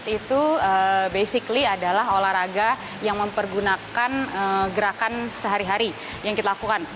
itu basically adalah olahraga yang mempergunakan gerakan sehari hari yang kita lakukan